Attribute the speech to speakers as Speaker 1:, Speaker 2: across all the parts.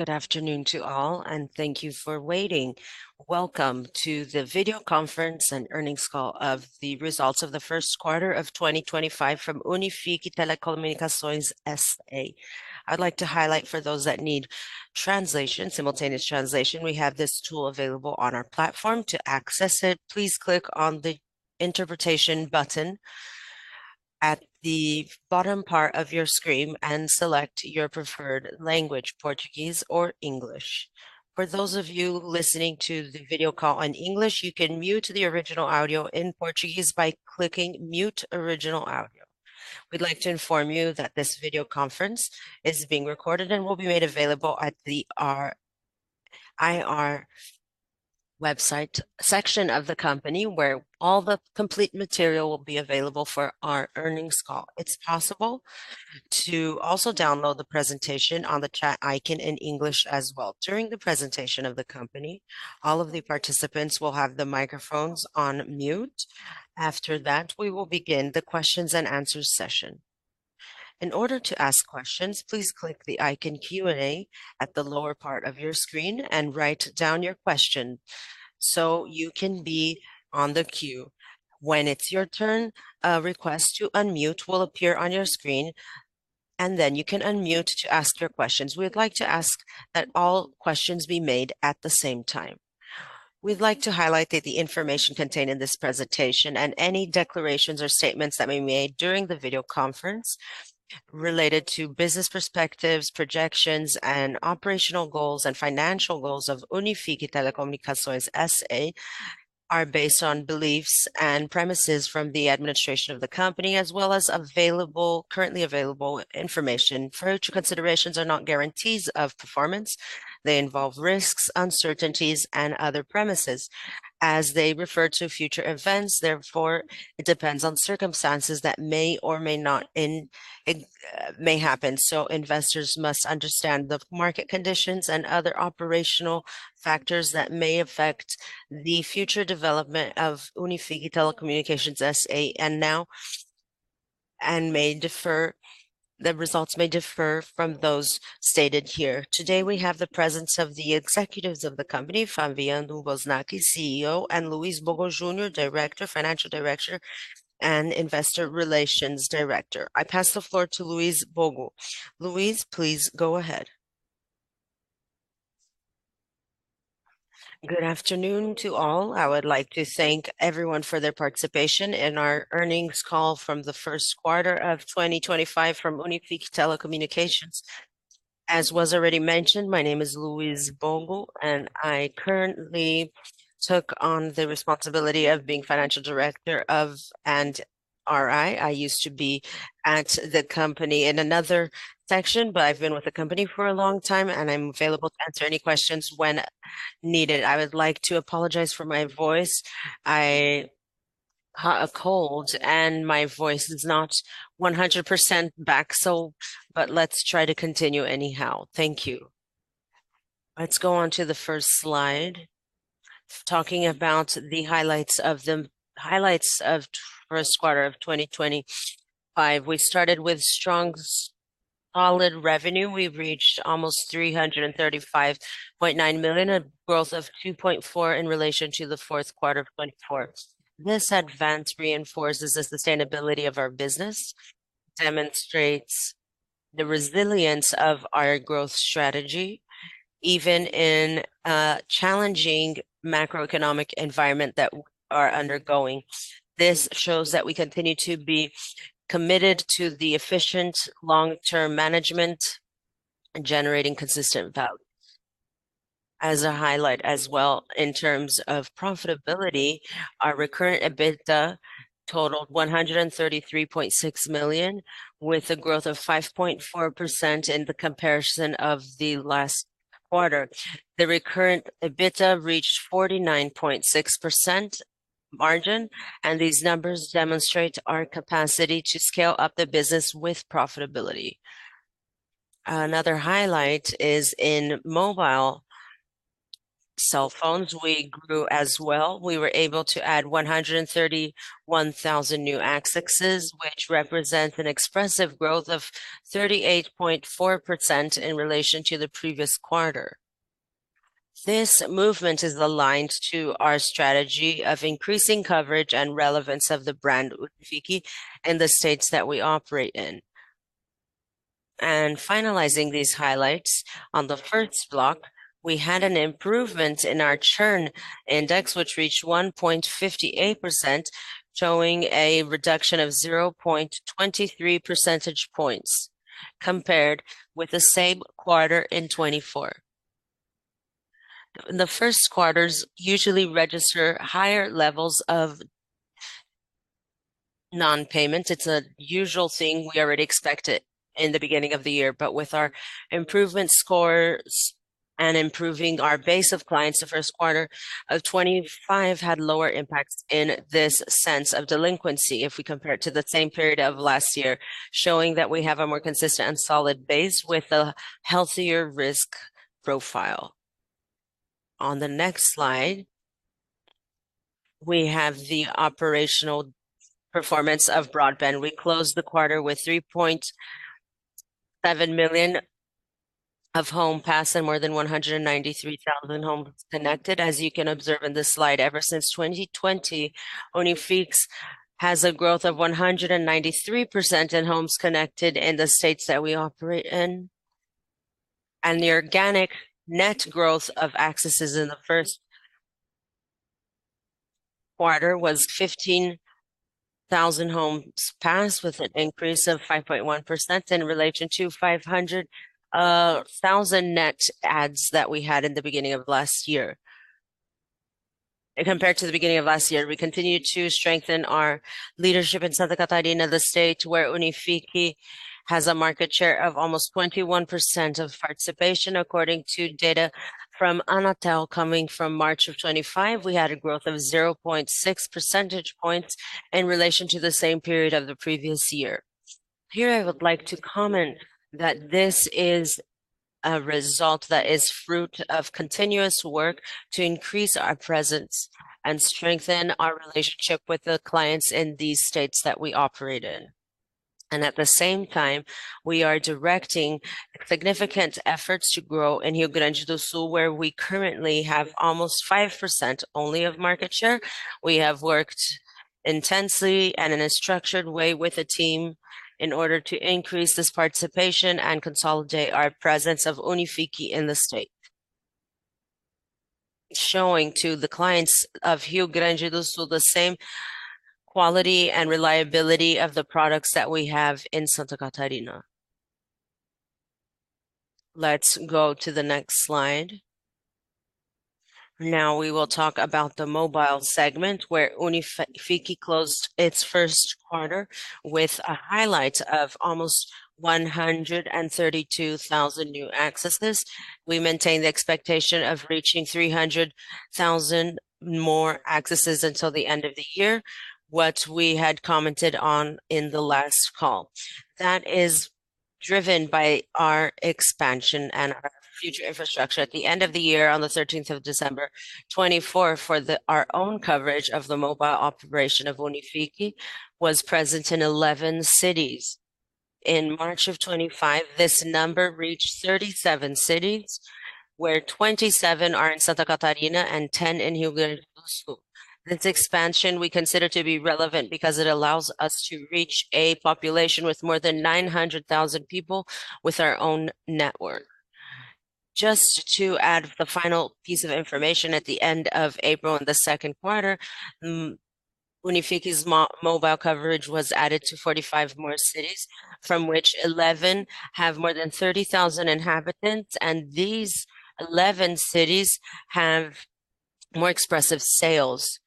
Speaker 1: Good afternoon to all, and thank you for waiting. Welcome to the video conference and earnings call of the results of the first quarter of 2025 from Unifique Telecomunicações S.A. I'd like to highlight for those that need translation, simultaneous translation. We have this tool available on our platform. To access it, please click on the interpretation button at the bottom part of your screen and select your preferred language, Portuguese or English. For those of you listening to the video call in English, you can mute the original audio in Portuguese by clicking Mute Original Audio. We'd like to inform you that this video conference is being recorded and will be made available at our IR website section of the company where all the complete material will be available for our earnings call. It's possible to also download the presentation on the chat icon in English as well. During the presentation of the company, all of the participants will have their microphones on mute. After that, we will begin the questions and answers session. In order to ask questions, please click the icon Q&A at the lower part of your screen and write down your question so you can be on the queue. When it's your turn, a request to unmute will appear on your screen, and then you can unmute to ask your questions. We'd like to ask that all questions be made at the same time. We'd like to highlight that the information contained in this presentation and any declarations or statements that may be made during the video conference related to business perspectives, projections, and operational goals and financial goals of Unifique Telecomunicações S.A. are based on beliefs and premises from the administration of the company, as well as currently available information. Future considerations are not guarantees of performance. They involve risks, uncertainties, and other premises as they refer to future events. Therefore, it depends on circumstances that may or may not happen, so investors must understand the market conditions and other operational factors that may affect the future development of Unifique Telecomunicações S.A. and the results may differ from those stated here. Today, we have the presence of the executives of the company, Fabiano Busnardo, CEO, and Luiz Bogo Junior, Director, Financial Director, and Investor Relations Director. I pass the floor to Luiz Bogo. Luiz, please go ahead.
Speaker 2: Good afternoon to all. I would like to thank everyone for their participation in our earnings call for the first quarter of 2025 from Unifique Telecomunicações. As was already mentioned, my name is Luiz Bogo, and I currently took on the responsibility of being Financial Director and RI. I used to be at the company in another section, but I've been with the company for a long time, and I'm available to answer any questions when needed. I would like to apologize for my voice. I caught a cold, and my voice is not 100% back, but let's try to continue anyhow. Thank you. Let's go on to the first slide. Talking about the highlights of first quarter of 2025, we started with strong, solid revenue. We reached almost 335.9 million, a growth of 2.4% in relation to the fourth quarter of 2024. This advance reinforces the sustainability of our business, demonstrates the resilience of our growth strategy, even in a challenging macroeconomic environment that we are undergoing. This shows that we continue to be committed to the efficient long-term management and generating consistent value. As a highlight as well in terms of profitability, our recurring EBITDA totaled 133.6 million, with a growth of 5.4% in the comparison of the last quarter. The recurring EBITDA reached 49.6% margin, and these numbers demonstrate our capacity to scale up the business with profitability. Another highlight is in mobile cell phones, we grew as well. We were able to add 131,000 new accesses, which represents an expressive growth of 38.4% in relation to the previous quarter. This movement is aligned to our strategy of increasing coverage and relevance of the brand Unifique in the states that we operate in. Finalizing these highlights on the first block, we had an improvement in our churn index, which reached 1.58%, showing a reduction of 0.23 percentage points compared with the same quarter in 2024. The first quarters usually register higher levels of non-payment. It's a usual thing. We already expect it in the beginning of the year. With our improvement scores and improving our base of clients, the first quarter of 2025 had lower impacts in this sense of delinquency if we compare it to the same period of last year, showing that we have a more consistent and solid base with a healthier risk profile. On the next slide, we have the operational performance of broadband. We closed the quarter with 3.7 million home passes and more than 193,000 homes connected. As you can observe in this slide, ever since 2020, Unifique has a growth of 193% in homes connected in the states that we operate in. The organic net growth of accesses in the first quarter was 15,000 homes passed with an increase of 5.1% in relation to 500,000 net adds that we had in the beginning of last year. Compared to the beginning of last year, we continued to strengthen our leadership in Santa Catarina, the state where Unifique has a market share of almost 21% of participation according to data from Anatel coming from March 2025. We had a growth of 0.6 percentage points in relation to the same period of the previous year. Here, I would like to comment that this is a result that is fruit of continuous work to increase our presence and strengthen our relationship with the clients in these states that we operate in. At the same time, we are directing significant efforts to grow in Rio Grande do Sul, where we currently have almost 5% only of market share. We have worked intensely and in a structured way with the team in order to increase this participation and consolidate our presence of Unifique in the state, showing to the clients of Rio Grande do Sul the same quality and reliability of the products that we have in Santa Catarina. Let's go to the next slide. Now we will talk about the mobile segment, where Unifique closed its first quarter with a highlight of almost 132,000 new accesses. We maintain the expectation of reaching 300,000 more accesses until the end of the year, what we had commented on in the last call. That is driven by our expansion and our future infrastructure. At the end of the year, on the 13th of December 2024, our own coverage of the mobile operation of Unifique was present in 11 cities. In March 2025, this number reached 37 cities, where 27 are in Santa Catarina and 10 in Rio Grande do Sul. This expansion we consider to be relevant because it allows us to reach a population with more than 900,000 people with our own network. Just to add the final piece of information, at the end of April in the second quarter, Unifique's mobile coverage was added to 45 more cities, from which 11 have more than 30,000 inhabitants. These 11 cities have more expressive sales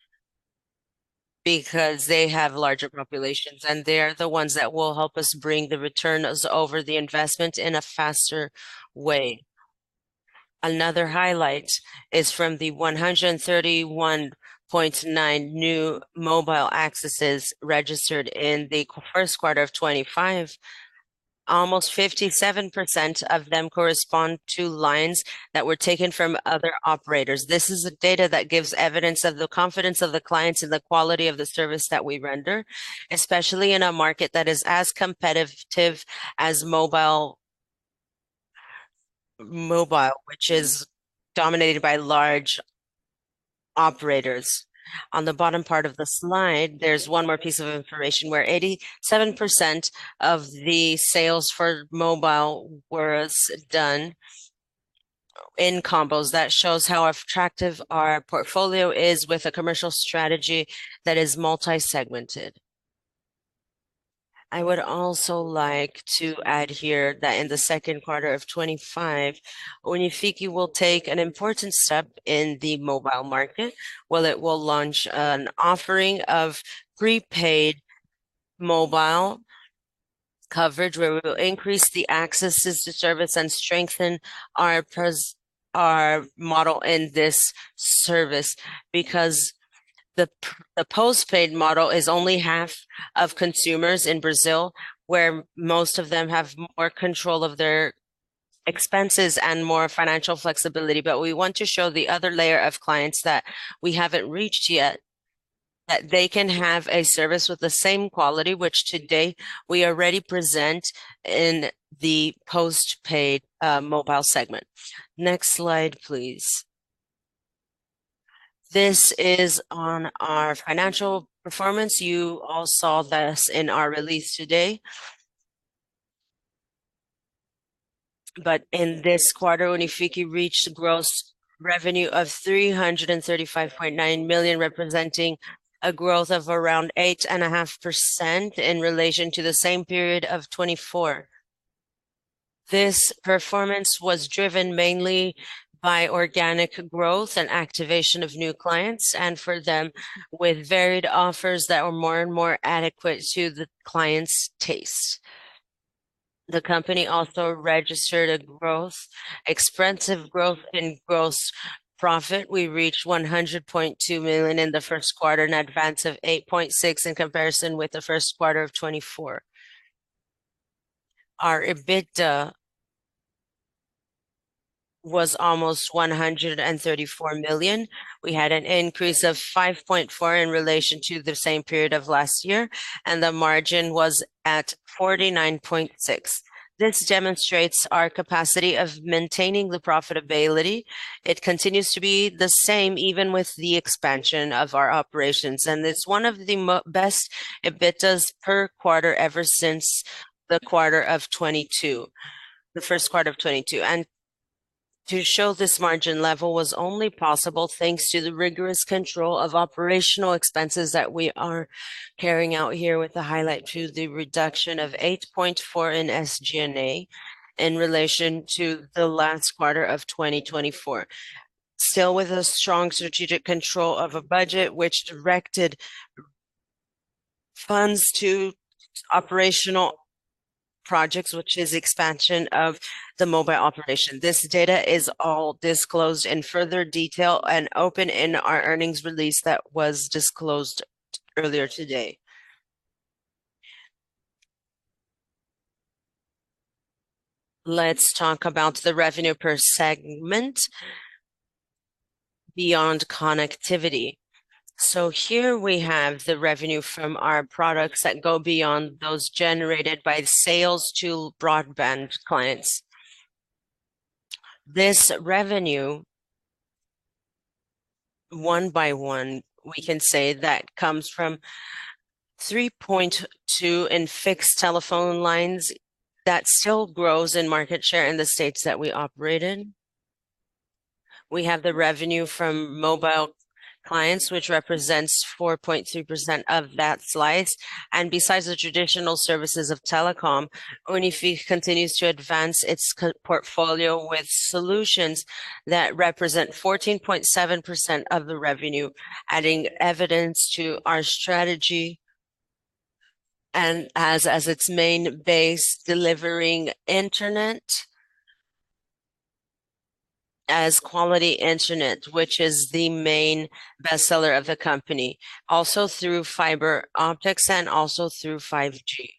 Speaker 2: because they have larger populations, and they are the ones that will help us bring the returns over the investment in a faster way. Another highlight is from the 131.9 new mobile accesses registered in the first quarter of 2025. Almost 57% of them correspond to lines that were taken from other operators. This is data that gives evidence of the confidence of the clients in the quality of the service that we render, especially in a market that is as competitive as mobile, which is dominated by large operators. On the bottom part of the slide, there's one more piece of information where 87% of the sales for mobile was done in combos. That shows how attractive our portfolio is with a commercial strategy that is multi-segmented. I would also like to add here that in the second quarter of 2025, Unifique will take an important step in the mobile market, where it will launch an offering of prepaid mobile coverage, where we will increase the accesses to service and strengthen our model in this service. Because the post-paid model is only half of consumers in Brazil, where most of them have more control of their expenses and more financial flexibility. We want to show the other layer of clients that we haven't reached yet that they can have a service with the same quality, which today we already present in the post-paid mobile segment. Next slide, please. This is on our financial performance. You all saw this in our release today. In this quarter, Unifique reached a gross revenue of 335.9 million, representing a growth of around 8.5% in relation to the same period of 2024. This performance was driven mainly by organic growth and activation of new clients, and offered them with varied offers that were more and more adequate to the clients' tastes. The company also registered a growth, expressive growth in gross profit. We reached 100.2 million in the first quarter, an advance of 8.6% in comparison with the first quarter of 2024. Our EBITDA was almost 134 million. We had an increase of 5.4% in relation to the same period of last year, and the margin was at 49.6%. This demonstrates our capacity of maintaining the profitability. It continues to be the same even with the expansion of our operations, and it's one of the best EBITDAs per quarter ever since the first quarter of 2022. This margin level was only possible thanks to the rigorous control of operational expenses that we are carrying out here, with the highlight to the reduction of 8.4% in SG&A in relation to the last quarter of 2024. Still with a strong strategic control of a budget which directed funds to operational projects, which is expansion of the mobile operation. This data is all disclosed in further detail and open in our earnings release that was disclosed earlier today. Let's talk about the revenue per segment beyond connectivity. Here we have the revenue from our products that go beyond those generated by sales to broadband clients. This revenue, one by one, we can say that comes from 3.2 in fixed telephone lines that still grows in market share in the states that we operate in. We have the revenue from mobile clients, which represents 4.2% of that slice. Besides the traditional services of telecom, Unifique continues to advance its portfolio with solutions that represent 14.7% of the revenue, adding evidence to our strategy and as its main base, delivering internet as quality internet, which is the main bestseller of the company, also through fiber optics and also through 5G.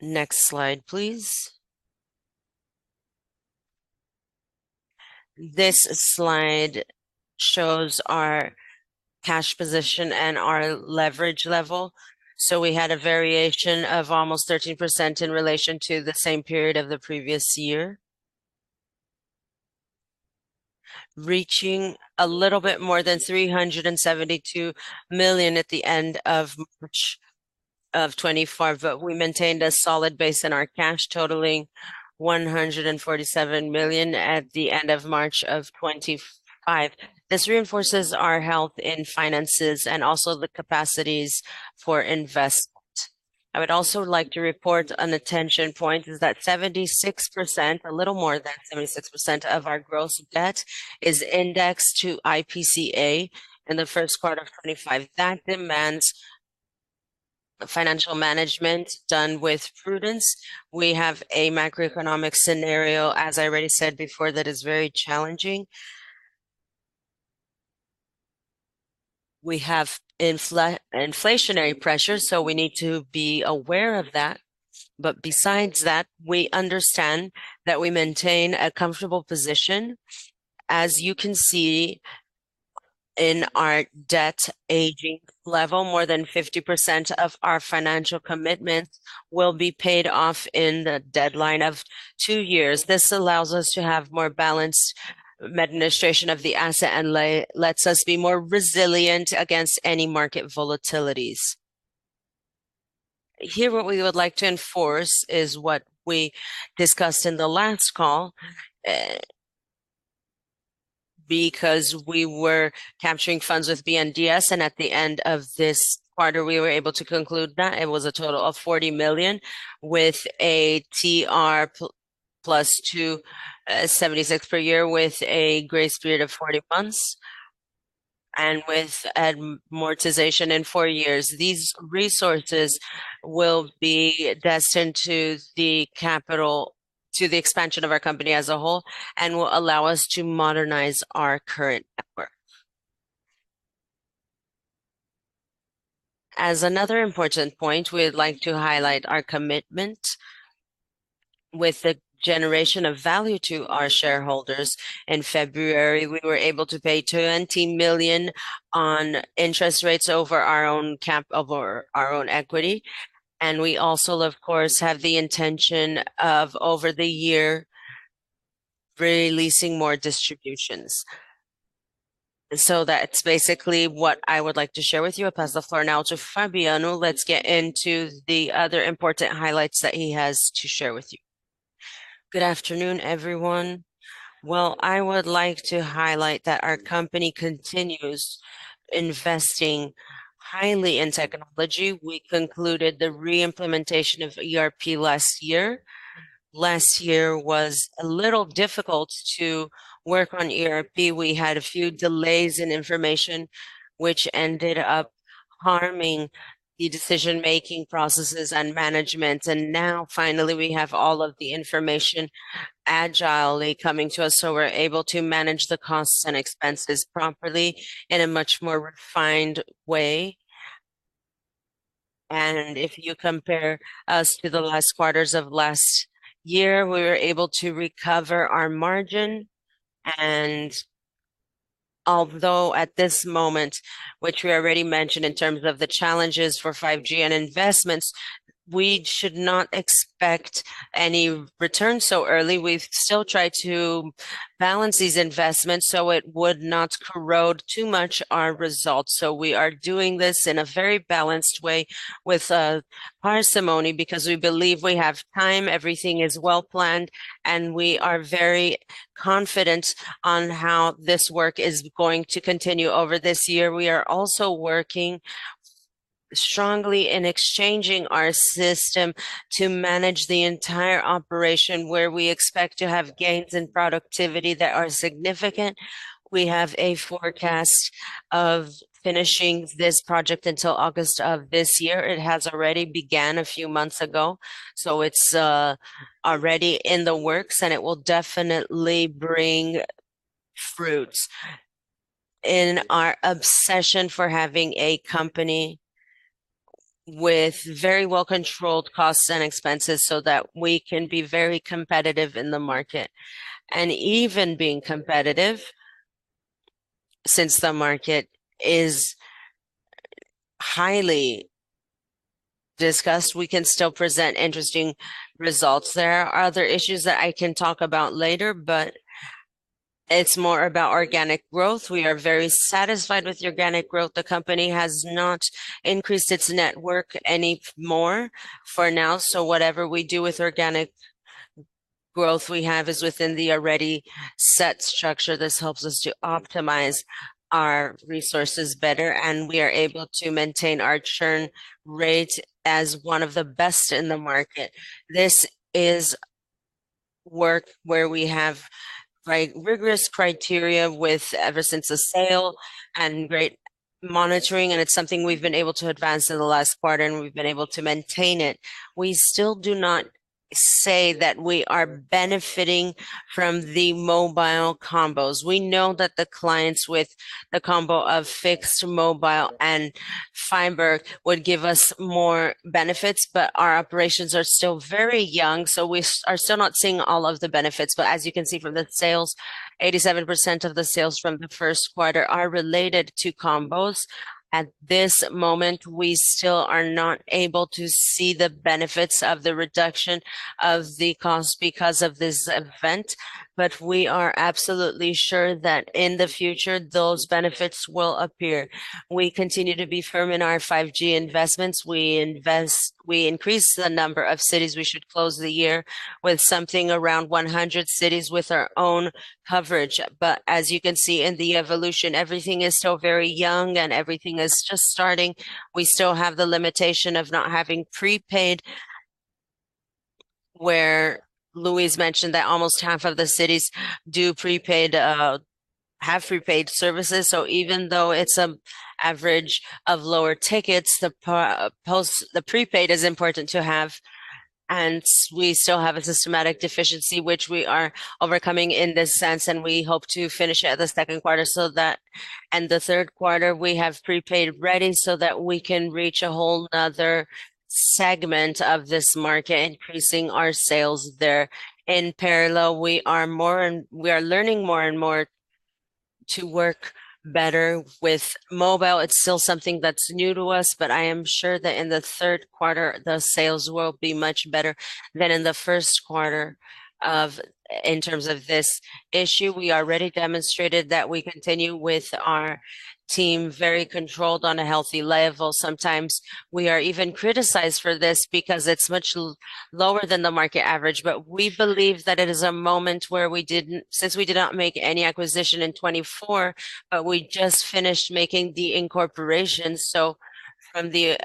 Speaker 2: Next slide, please. This slide shows our cash position and our leverage level. We had a variation of almost 13% in relation to the same period of the previous year, reaching a little bit more than 372 million at the end of March 2025. We maintained a solid base in our cash, totaling 147 million at the end of March 2025. This reinforces our health in finances and also the capacities for investment. I would also like to report an attention point is that 76%, a little more than 76% of our gross debt is indexed to IPCA in the first quarter of 2025. That demands financial management done with prudence. We have a macroeconomic scenario, as I already said before, that is very challenging. We have inflationary pressures, so we need to be aware of that. Besides that, we understand that we maintain a comfortable position. As you can see in our debt aging level, more than 50% of our financial commitments will be paid off in the deadline of 2 years. This allows us to have more balanced administration of the asset and lets us be more resilient against any market volatilities. Here, what we would like to enforce is what we discussed in the last call, because we were capturing funds with BNDES, and at the end of this quarter, we were able to conclude that. It was a total of 40 million with a TR+ 2.76% per year, with a grace period of 40 months and with amortization in 4 years. These resources will be destined to the expansion of our company as a whole and will allow us to modernize our current network. As another important point, we'd like to highlight our commitment with the generation of value to our shareholders. In February, we were able to pay 20 million on interest rates over our own equity. We also, of course, have the intention of over the year releasing more distributions. That's basically what I would like to share with you. I pass the floor now to Fabiano. Let's get into the other important highlights that he has to share with you.
Speaker 3: Good afternoon, everyone. Well, I would like to highlight that our company continues investing highly in technology. We concluded the re-implementation of ERP last year. Last year was a little difficult to work on ERP. We had a few delays in information which ended up harming the decision-making processes and management. Now finally, we have all of the information agilely coming to us, so we're able to manage the costs and expenses properly in a much more refined way. If you compare us to the last quarters of last year, we were able to recover our margin. Although at this moment, which we already mentioned in terms of the challenges for 5G and investments, we should not expect any return so early. We've still tried to balance these investments, so it would not corrode too much our results. We are doing this in a very balanced way with parsimony because we believe we have time, everything is well planned, and we are very confident on how this work is going to continue over this year. We are also working strongly in exchanging our system to manage the entire operation, where we expect to have gains in productivity that are significant. We have a forecast of finishing this project until August of this year. It has already began a few months ago, so it's already in the works and it will definitely bring fruits. In our obsession for having a company with very well-controlled costs and expenses so that we can be very competitive in the market. Even being competitive since the market is highly discussed, we can still present interesting results there. Other issues that I can talk about later, but it's more about organic growth. We are very satisfied with the organic growth. The company has not increased its network any more for now. Whatever we do with organic growth we have is within the already set structure. This helps us to optimize our resources better, and we are able to maintain our churn rate as one of the best in the market. This is work where we have quite rigorous criteria with ever since the sale and great monitoring, and it's something we've been able to advance in the last quarter, and we've been able to maintain it. We still do not see that we are benefiting from the mobile combos. We know that the clients with the combo of fixed, mobile, and fiber would give us more benefits, but our operations are still very young, so we are still not seeing all of the benefits. As you can see from the sales, 87% of the sales from the first quarter are related to combos. At this moment, we still are not able to see the benefits of the reduction of the cost because of this event. We are absolutely sure that in the future, those benefits will appear. We continue to be firm in our 5G investments. We increase the number of cities. We should close the year with something around 100 cities with our own coverage. As you can see in the evolution, everything is still very young and everything is just starting. We still have the limitation of not having prepaid, where Luiz mentioned that almost half of the cities do prepaid, have prepaid services. Even though it's an average of lower tickets, the prepaid is important to have, and we still have a systematic deficiency which we are overcoming in this sense, and we hope to finish it at the second quarter so that in the third quarter, we have prepaid ready so that we can reach a whole another segment of this market, increasing our sales there. In parallel, we are learning more and more to work better with mobile. It's still something that's new to us but I am sure that in the third quarter the sales will be much better than in the first quarter in terms of this issue. We already demonstrated that we continue with our team very controlled on a healthy level. Sometimes we are even criticized for this because it's much lower than the market average. We believe that it is a moment. Since we did not make any acquisition in 2024, but we just finished making the incorporation, so from the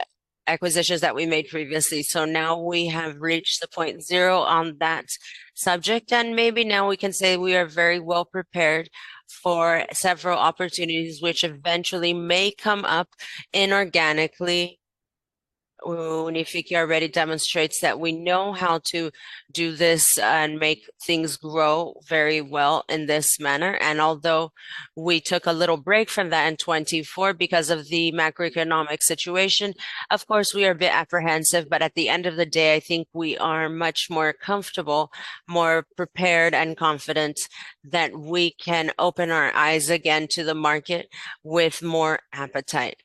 Speaker 3: acquisitions that we made previously. Now we have reached the point zero on that subject, and maybe now we can say we are very well prepared for several opportunities which eventually may come up inorganically. Unifique already demonstrates that we know how to do this and make things grow very well in this manner. Although we took a little break from that in 2024 because of the macroeconomic situation, of course, we are a bit apprehensive. At the end of the day, I think we are much more comfortable, more prepared and confident that we can open our eyes again to the market with more appetite.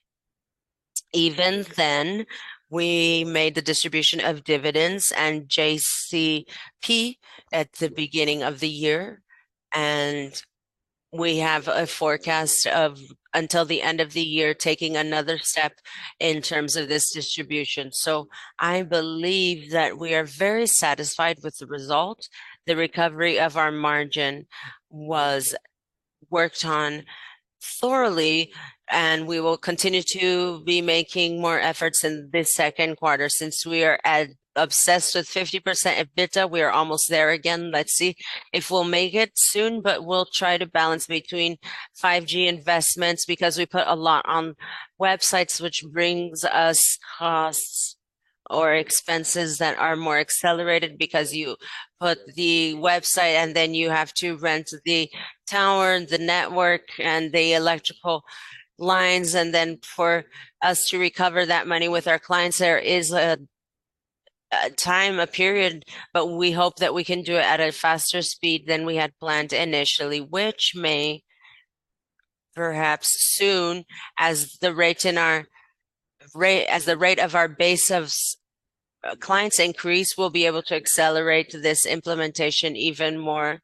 Speaker 3: Even then, we made the distribution of dividends and JCP at the beginning of the year, and we have a forecast of until the end of the year, taking another step in terms of this distribution. I believe that we are very satisfied with the result. The recovery of our margin was worked on thoroughly and we will continue to be making more efforts in this second quarter. Since we are obsessed with 50% EBITDA, we are almost there again. Let's see if we'll make it soon, but we'll try to balance between 5G investments because we put a lot on sites which brings us costs or expenses that are more accelerated because you put the site and then you have to rent the tower, the network, and the electrical lines. For us to recover that money with our clients, there is a time, a period, but we hope that we can do it at a faster speed than we had planned initially which may perhaps as soon as the rate of our base of clients increase, we'll be able to accelerate this implementation even more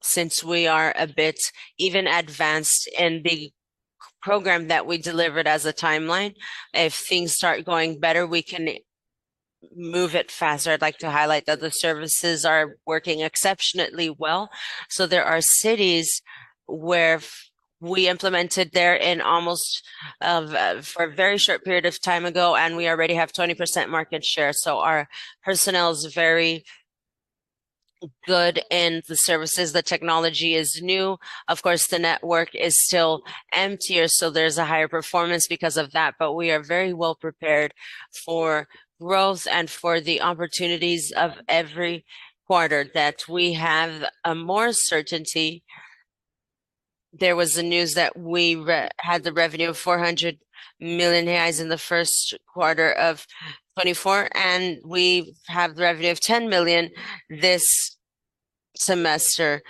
Speaker 3: since we are a bit even advanced in the program that we delivered as a timeline. If things start going better we can move it faster. I'd like to highlight that the services are working exceptionally well. There are cities where we implemented there in almost for a very short period of time ago and we already have 20% market share. Our personnel is very good, and the services, the technology is new. Of course, the network is still emptier, so there's a higher performance because of that. But we are very well prepared for growth and for the opportunities of every quarter that we have, more certainty. There was the news that we had the revenue of 400 million reais in the first quarter of 2024, and we have the revenue of 10 million this semester,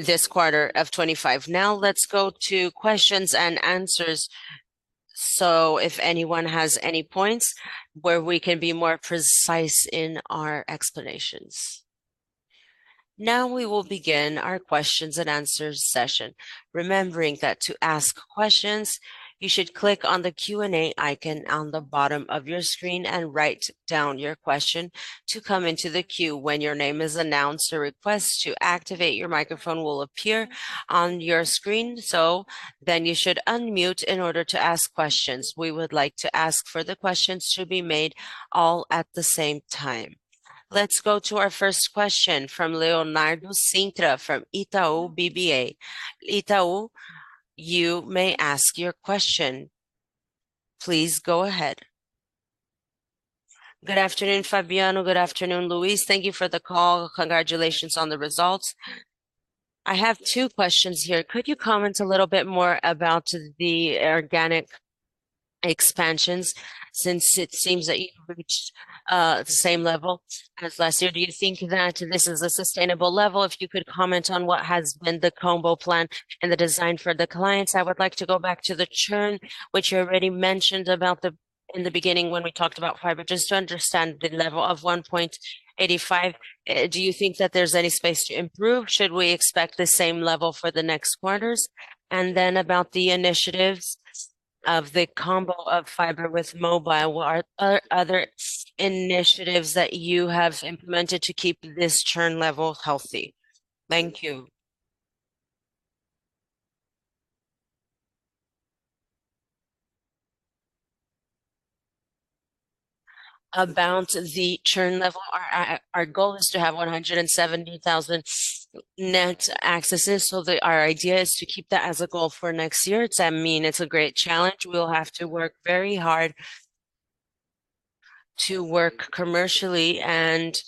Speaker 3: this quarter of 2025. Now, let's go to questions and answers. If anyone has any points where we can be more precise in our explanations.
Speaker 1: Now, we will begin our questions and answers session. Remembering that to ask questions, you should click on the Q&A icon on the bottom of your screen and write down your question to come into the queue. When your name is announced, a request to activate your microphone will appear on your screen. You should unmute in order to ask questions. We would like to ask for the questions to be made all at the same time. Let's go to our first question from Leonardo Cintra from Itaú BBA. Itaú, you may ask your question. Please go ahead.
Speaker 4: Good afternoon, Fabiano. Good afternoon, Luiz. Thank you for the call. Congratulations on the results. I have two questions here. Could you comment a little bit more about the organic expansions since it seems that you've reached the same level as last year? Do you think that this is a sustainable level? If you could comment on what has been the combo plan and the design for the clients. I would like to go back to the churn, which you already mentioned about the in the beginning when we talked about fiber, just to understand the level of 1.85%. Do you think that there's any space to improve? Should we expect the same level for the next quarters? About the initiatives of the combo of fiber with mobile, what are other initiatives that you have implemented to keep this churn level healthy? Thank you.
Speaker 3: About the churn level, our goal is to have 170,000 net accesses. Our idea is to keep that as a goal for next year. I mean, it's a great challenge. We'll have to work very hard to work commercially, and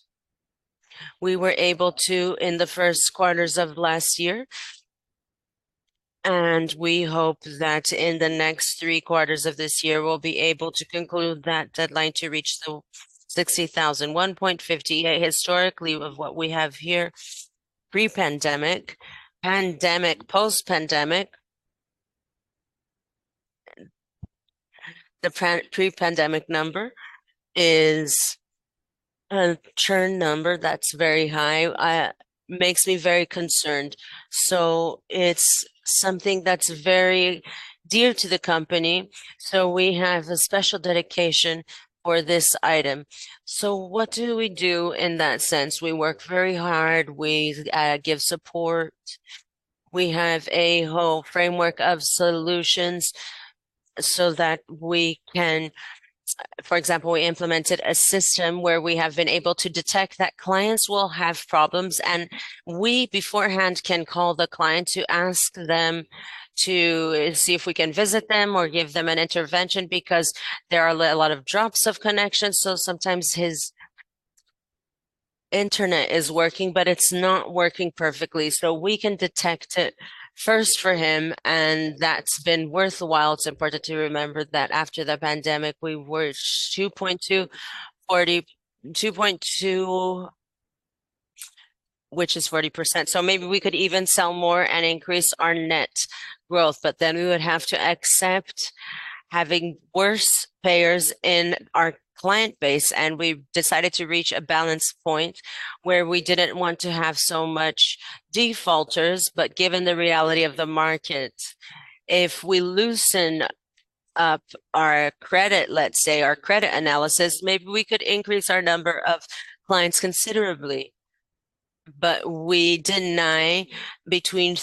Speaker 3: we were able to in the first quarters of last year. We hope that in the next three quarters of this year, we'll be able to conclude that deadline to reach the 60,000. 1.50%, historically, with what we have here, pre-pandemic, pandemic, post-pandemic. The pre-pandemic number is a churn number that's very high. Makes me very concerned. It's something that's very dear to the company, so we have a special dedication for this item. What do we do in that sense? We work very hard. We give support. We have a whole framework of solutions so that we can. For example, we implemented a system where we have been able to detect that clients will have problems, and we beforehand can call the client to ask them to see if we can visit them or give them an intervention because there are a lot of drops of connection. Sometimes his internet is working, but it's not working perfectly, so we can detect it first for him, and that's been worthwhile. It's important to remember that after the pandemic, we were 2.2, which is 40%. Maybe we could even sell more and increase our net growth. We would have to accept having worse payers in our client base, and we've decided to reach a balance point where we didn't want to have so much defaulters. Given the reality of the market, if we loosen up our credit, let's say, our credit analysis, maybe we could increase our number of clients considerably. We deny between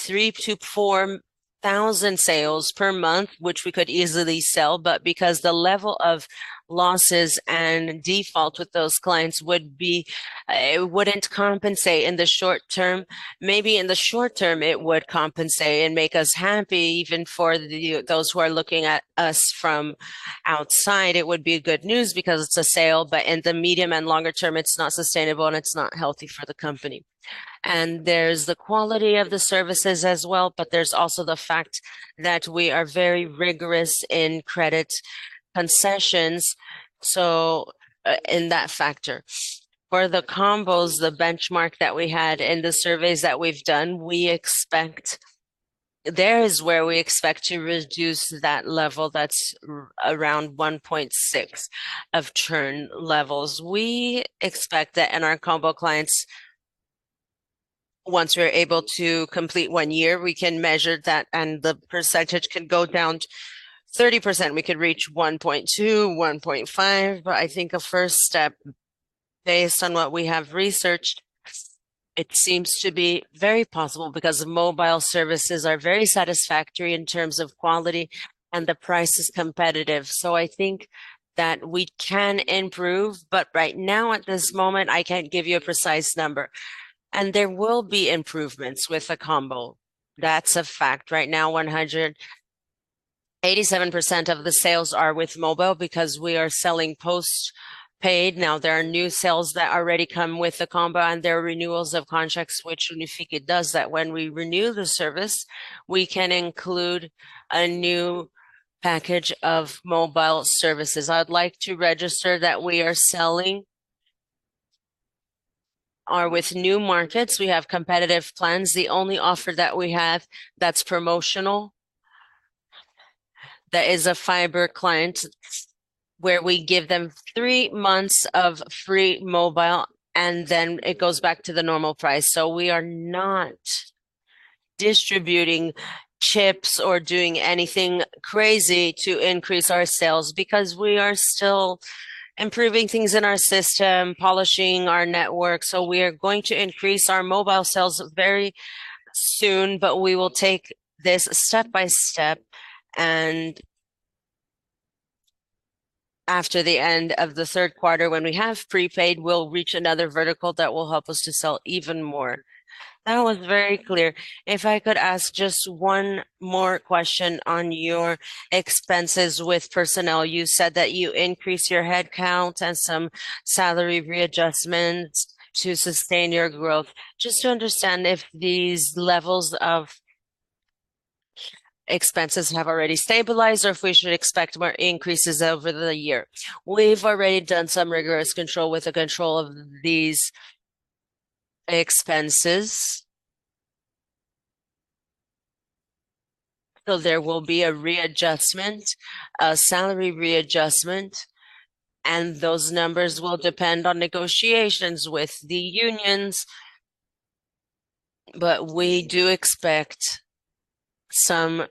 Speaker 3: 3,000-4,000 sales per month, which we could easily sell, but because the level of losses and default with those clients would be, it wouldn't compensate in the short term. Maybe in the short term it would compensate and make us happy even for those who are looking at us from outside. It would be good news because it's a sale. In the medium and longer term it's not sustainable and it's not healthy for the company. There's the quality of the services as well, but there's also the fact that we are very rigorous in credit concessions, so in that factor. For the combos, the benchmark that we had and the surveys that we've done, this is where we expect to reduce that level that's around 1.6% of churn levels. We expect that in our combo clients, once we're able to complete one year, we can measure that, and the percentage can go down 30%. We could reach 1.2%-1.5%. I think a first step based on what we have researched, it seems to be very possible because the mobile services are very satisfactory in terms of quality, and the price is competitive. I think that we can improve, but right now at this moment I can't give you a precise number. There will be improvements with the combo. That's a fact. Right now, 187% of the sales are with mobile because we are selling post-paid now. There are new sales that already come with the combo and there are renewals of contracts which Unifique does, that when we renew the service, we can include a new package of mobile services. I'd like to register that we are selling or with new markets, we have competitive plans. The only offer that we have that's promotional, that is a fiber client where we give them 3 months of free mobile, and then it goes back to the normal price. We are not distributing chips or doing anything crazy to increase our sales because we are still improving things in our system, polishing our network. We are going to increase our mobile sales very soon, but we will take this step-by-step, and after the end of the third quarter when we have prepaid, we'll reach another vertical that will help us to sell even more. That was very clear.
Speaker 4: If I could ask just one more question on your expenses with personnel. You said that you increased your headcount and some salary readjustments to sustain your growth. Just to understand if these levels of expenses have already stabilized or if we should expect more increases over the year.
Speaker 3: We've already done some rigorous control with the control of these expenses. There will be a readjustment, a salary readjustment and those numbers will depend on negotiations with the unions. We do expect some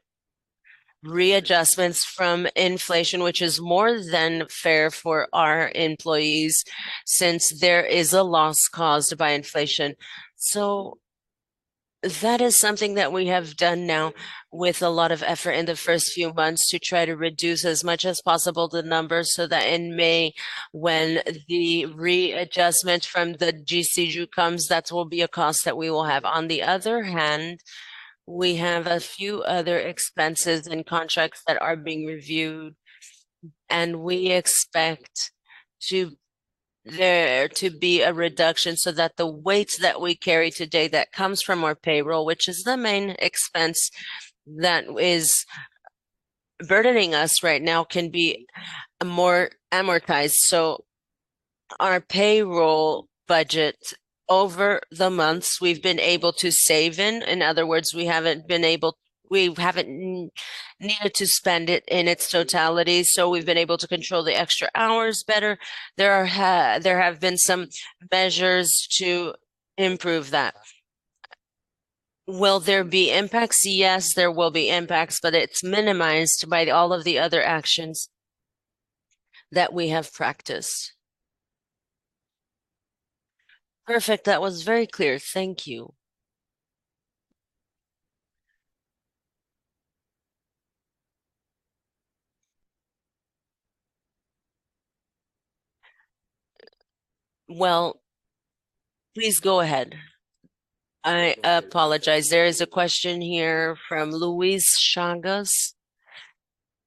Speaker 3: readjustments from inflation, which is more than fair for our employees since there is a loss caused by inflation. That is something that we have done now with a lot of effort in the first few months to try to reduce as much as possible the numbers so that in May, when the readjustment from the Dissídio comes, that will be a cost that we will have. On the other hand, we have a few other expenses and contracts that are being reviewed and we expect there to be a reduction so that the weight that we carry today that comes from our payroll, which is the main expense that is burdening us right now, can be more amortized. Our payroll budget over the months we've been able to save in. In other words, we haven't needed to spend it in its totality, so we've been able to control the extra hours better. There have been some measures to improve that. Will there be impacts? Yes, there will be impacts, but it's minimized by all of the other actions that we have practiced.
Speaker 4: Perfect. That was very clear. Thank you.
Speaker 1: Well, please go ahead. I apologize. There is a question here from Luiz Sanchez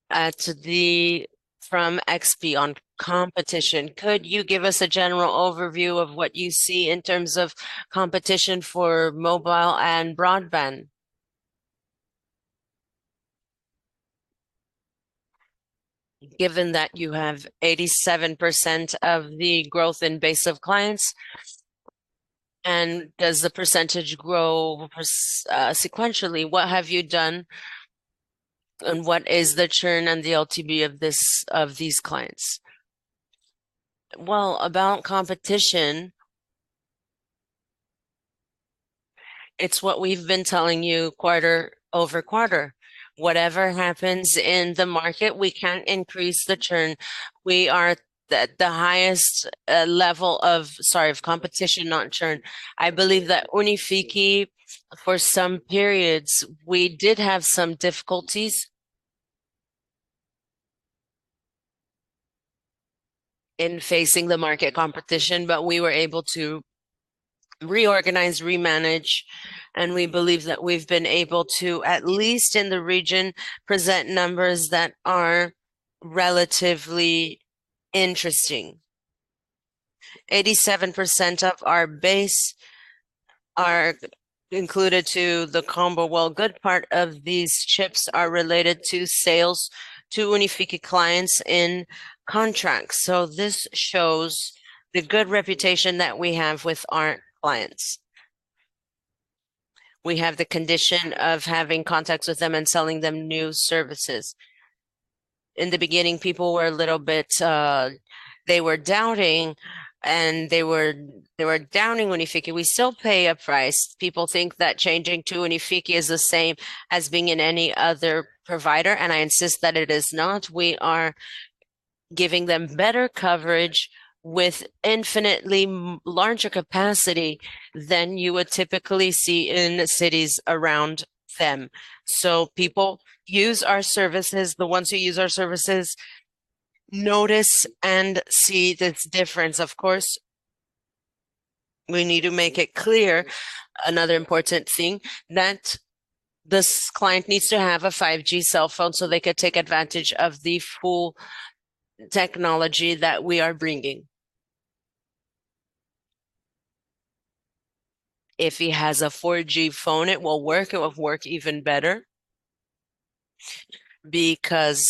Speaker 1: at the from XP on competition. Could you give us a general overview of what you see in terms of competition for mobile and broadband? Given that you have 87% of the growth in base of clients, and does the percentage grow sequentially? What have you done, and what is the churn and the LTV of this, of these clients?
Speaker 3: Well, about competition, it's what we've been telling you quarter over quarter. Whatever happens in the market, we can't increase the churn. We are at the highest level of competition. Sorry, not churn. I believe that Unifique, for some periods, we did have some difficulties in facing the market competition, but we were able to reorganize, re-manage, and we believe that we've been able to, at least in the region, present numbers that are relatively interesting. 87% of our base are included to the combo. Well, good part of these chips are related to sales to Unifique clients in contracts. This shows the good reputation that we have with our clients. We have the condition of having contacts with them and selling them new services. In the beginning, people were a little bit, they were doubting Unifique. We still pay a price. People think that changing to Unifique is the same as being in any other provider and I insist that it is not. We are giving them better coverage with infinitely larger capacity than you would typically see in cities around them. People use our services. The ones who use our services notice and see this difference. Of course, we need to make it clear, another important thing, that this client needs to have a 5G cell phone so they could take advantage of the full technology that we are bringing. If he has a 4G phone, it will work. It will work even better because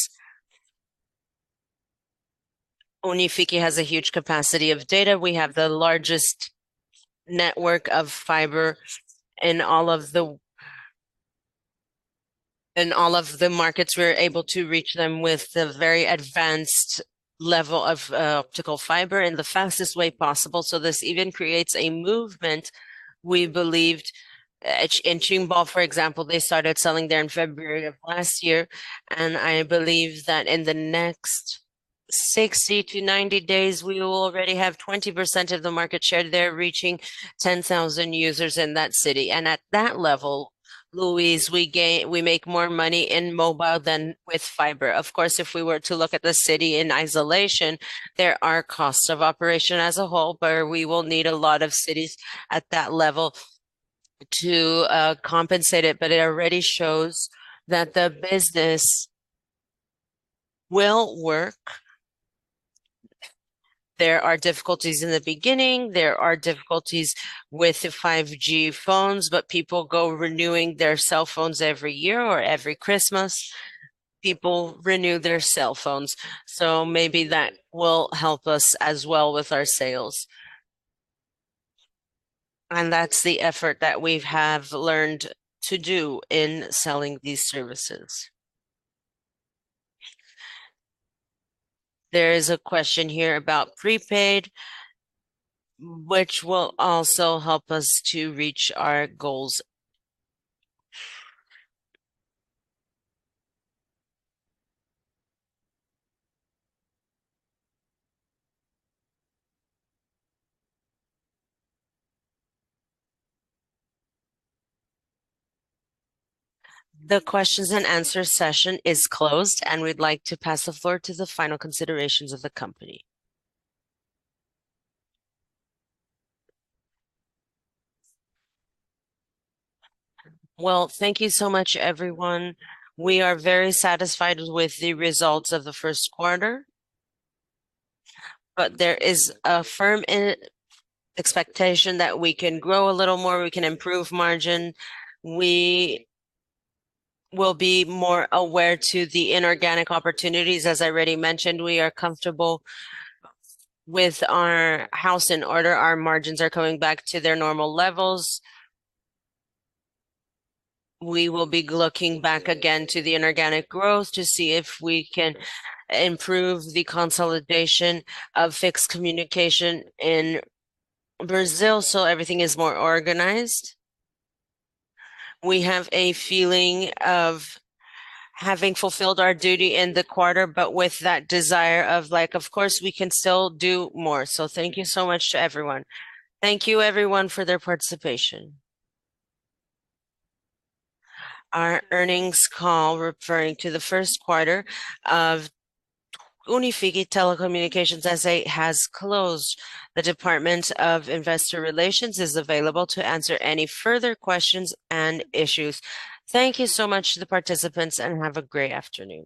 Speaker 3: Unifique has a huge capacity of data. We have the largest network of fiber in all of the markets. We're able to reach them with the very advanced level of optical fiber in the fastest way possible, so this even creates a movement. We believed in Joinville, for example, they started selling there in February of last year, and I believe that in the next 60-90 days, we will already have 20% of the market share there, reaching 10,000 users in that city. At that level, Luiz, we gain. We make more money in mobile than with fiber. Of course, if we were to look at the city in isolation, there are costs of operation as a whole, but we will need a lot of cities at that level to compensate it. It already shows that the business will work. There are difficulties in the beginning. There are difficulties with the 5G phones, but people go renewing their cell phones every year. Every Christmas, people renew their cell phones, so maybe that will help us as well with our sales. That's the effort that we have learned to do in selling these services. There is a question here about prepaid, which will also help us to reach our goals.
Speaker 1: The Q&A session is closed, and we'd like to pass the floor to the final considerations of the company.
Speaker 3: Well, thank you so much, everyone. We are very satisfied with the results of the first quarter, but there is a firm expectation that we can grow a little more, we can improve margin. We will be more aware to the inorganic opportunities. As I already mentioned, we are comfortable with our house in order. Our margins are coming back to their normal levels. We will be looking back again to the inorganic growth to see if we can improve the consolidation of fixed communication in Brazil so everything is more organized. We have a feeling of having fulfilled our duty in the quarter but with that desire of like, of course, we can still do more. Thank you so much to everyone. Thank you, everyone, for their participation.
Speaker 1: Our earnings call referring to the first quarter of Unifique Telecomunicações S.A. has closed. The Department of Investor Relations is available to answer any further questions and issues. Thank you so much to the participants, and have a great afternoon.